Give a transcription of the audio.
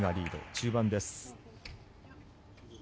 中盤です。